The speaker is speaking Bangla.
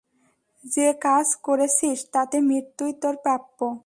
যে কাজ করেছিস, তাতে মৃত্যুই তোর প্রাপ্য!